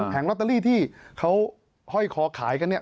แผ่งลอตเตอรี่ที่เขาห้อยคอขายกัน